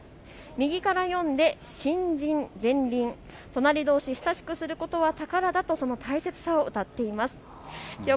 右から読んで親・仁・善・隣、隣どうし、親しくすることは宝だとその大切さをうたっています。